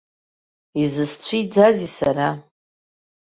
Изысцәиӡазеи сара?